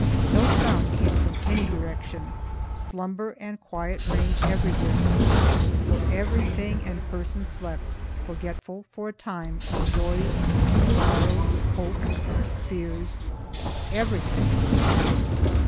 No sound came from any direction; slumber and quiet reigned everywhere, for every thing and person slept, forgetful for a time of joys, sorrows, hopes, fears, everything.